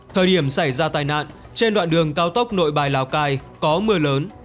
thời điểm xảy ra tai nạn trên đoạn đường cao tốc nội bài lào cai có mưa lớn